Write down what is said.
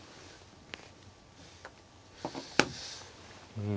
うん。